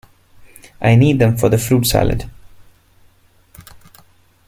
I Need Them For The Fruit Salad.